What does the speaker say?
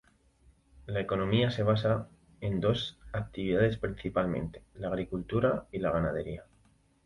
La economía se basa en dos actividades principalmente, la agricultura y la ganadería.